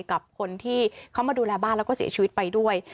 กับคนที่เขามาดูแลบ้านแล้วก็เสียชีวิตไปด้วย